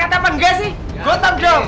apa enggak sih gotap dong